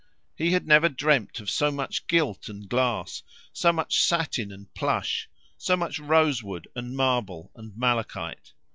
He had never dreamed of so much gilt and glass, so much satin and plush, so much rosewood and marble and malachite.